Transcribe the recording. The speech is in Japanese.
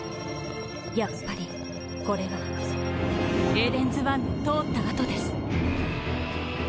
やっぱりこれはエデンズワンの通った跡です。